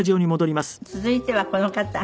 続いてはこの方。